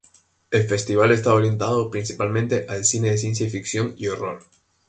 El festival estaba orientado principalmente al cine de ciencia ficción y horror.